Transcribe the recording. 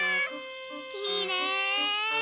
きれい！